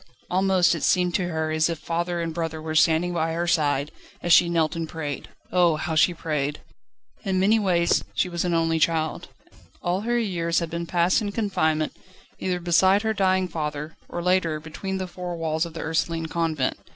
Almost it seemed to her as if father and brother were standing by her side, as she knelt and prayed. Oh! how she prayed! In many ways she was only a child. All her years had been passed in confinement, either beside her dying father or, later, between the four walls of the Ursuline Convent.